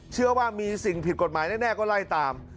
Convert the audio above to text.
เชื่อว่ามีสิ่งผิดกฎหมายแน่ก็ไล่ตาม